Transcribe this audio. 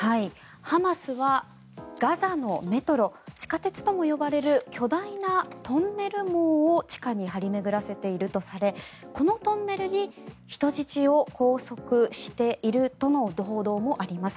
ハマスはガザのメトロ地下鉄とも呼ばれる巨大なトンネル網を地下に張り巡らさせているとされこのトンネルに人質を拘束しているとの報道もあります。